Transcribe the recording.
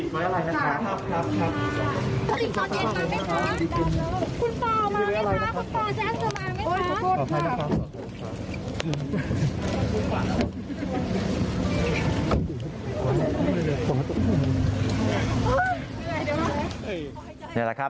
ขอบคุณค่ะ